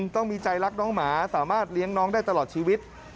ต้องมีใจรักน้องหมาสามารถเลี้ยงน้องได้ตลอดชีวิต